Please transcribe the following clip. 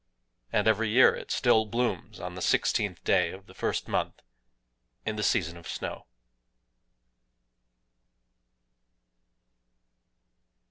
And every year it still blooms on the sixteenth day of the first month, in the season of snow.